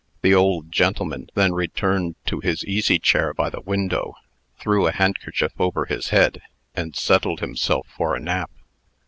The old gentleman then returned to his easy chair by the window, threw a handkerchief over his head, and settled himself for a nap.